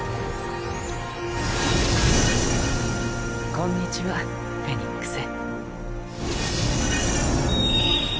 こんにちはフェニックス。